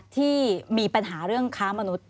ที่มีปัญหาเรื่องค้ามนุษย